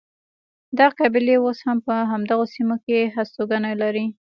دا قبیلې اوس هم په همدغو سیمو کې هستوګنه لري.